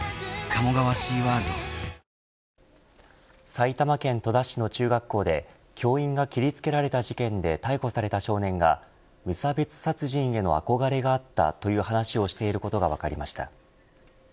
埼玉県戸田市の中学校で教員が切りつけられた事件で逮捕された少年が無差別殺人への憧れがあったという話をしていることが分かりました。